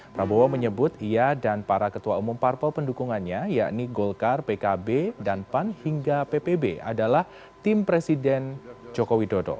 prabowo menyebut ia dan para ketua umum parpol pendukungannya yakni golkar pkb dan pan hingga ppb adalah tim presiden joko widodo